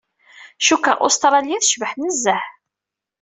Cukkeɣ Ustṛlya tecbeḥ nezzeh.